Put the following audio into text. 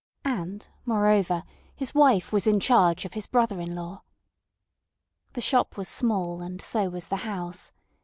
And, moreover, his wife was in charge of his brother in law. The shop was small, and so was the house.